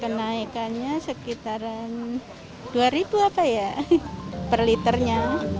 kenaikannya sekitaran dua ribu apa ya per liternya